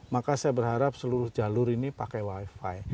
maka saya berharap seluruh jalur ini pakai wifi